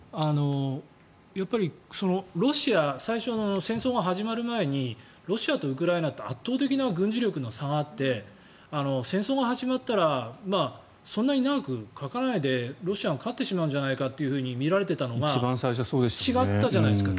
やっぱり、ロシア最初の戦争が始まる前にロシアとウクライナって圧倒的な軍事力の差があって戦争が始まったらそんなに長くかからないでロシアが勝ってしまうんじゃないかとみられていたのが違ったじゃないですか。